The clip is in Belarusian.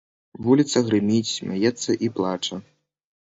Вуліца грыміць, смяецца і плача.